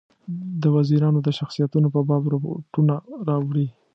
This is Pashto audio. د وزیرانو د شخصیتونو په باب رپوټونه راوړي.